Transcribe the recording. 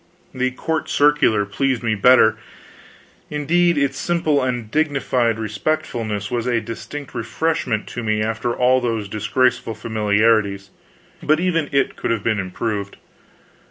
The "Court Circular" pleased me better; indeed, its simple and dignified respectfulness was a distinct refreshment to me after all those disgraceful familiarities. But even it could have been improved.